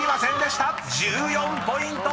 ［１４ポイント。